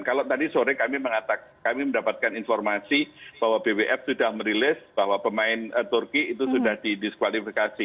kalau tadi sore kami mendapatkan informasi bahwa bwf sudah merilis bahwa pemain turki itu sudah didiskualifikasi